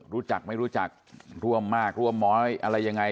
รู้จักไม่รู้จักร่วมมากร่วมน้อยอะไรยังไง